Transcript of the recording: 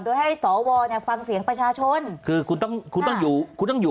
โดยให้สวเนี่ยฟังเสียงประชาชนคือคุณต้องคุณต้องอยู่คุณต้องอยู่